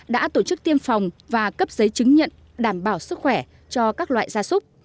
đã tổ chức tiêm phòng và cấp giấy chứng nhận đảm bảo sức khỏe cho các loại gia súc